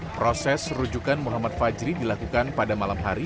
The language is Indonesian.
proses rujukan muhammad fajri dilakukan pada malam hari